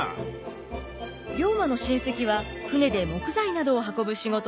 龍馬の親戚は船で木材などを運ぶ仕事をしていました。